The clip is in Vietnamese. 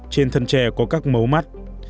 trên thân tre có các mấu mắt